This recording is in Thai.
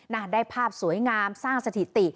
ได้ภาพสวยงามสร้างสถิติ